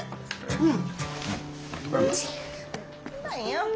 うん。